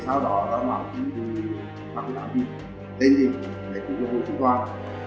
thế sau đó nó bảo chúng tôi mặc cái đá gì tên gì để chúng tôi vô trí toàn